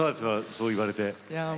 そう言われて。